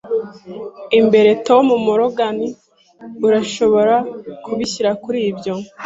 a'imbere, Tom Morgan, urashobora kubishyira kuri ibyo. ”